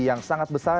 yang sangat besar